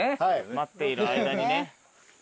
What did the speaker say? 待っている間にね。